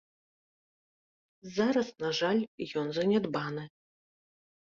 Зараз, на жаль, ён занядбаны.